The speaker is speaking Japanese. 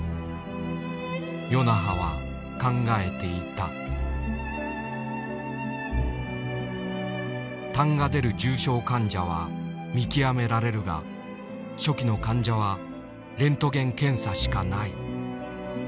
「たんが出る重症患者は見極められるが初期の患者はレントゲン検査しかない」。